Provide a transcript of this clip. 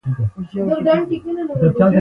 دا د مډرنیزم د مخکې زمانې لید دی.